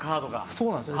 そうなんですよ。